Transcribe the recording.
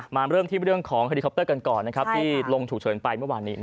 มาเริ่มที่เรื่องของเฮลิคอปเตอร์กันก่อนที่ลงฉุกเฉินไปเมื่อวานนี้